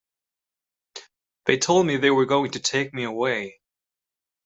They told me they were going to take me away.